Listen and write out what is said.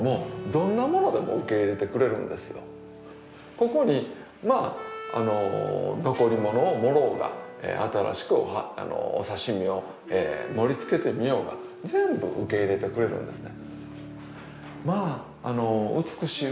ここに残り物を盛ろうが新しくお刺身を盛りつけてみようが全部受け入れてくれるんですね。